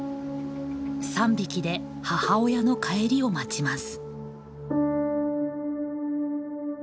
３匹で母親の帰りを待ちます。